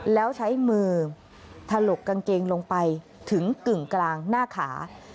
แล้วใช้มือถลกกางเกงลงไปถึงกึ่งกลางหน้าขา